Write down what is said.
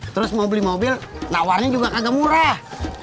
terus mau beli mobil nawarnya juga agak murah